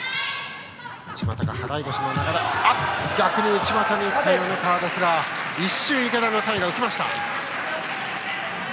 内股に行った米川ですが一瞬、池田の体が浮きました。